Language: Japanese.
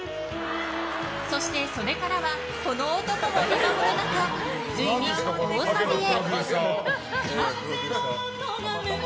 そして袖からはこの男も見守る中ついに大サビへ！